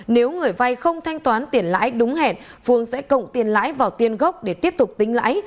nếu người vay không thanh toán tiền lãi đúng hẹn phương sẽ cộng tiền lãi vào tiền gốc để tiếp tục tính lãi